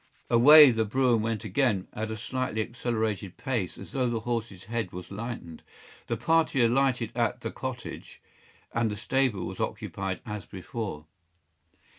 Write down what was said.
Away the brougham went again, at a slightly accelerated pace, as though the horse’s head was lightened. The party alighted at the cottage, and the stable was occupied as before.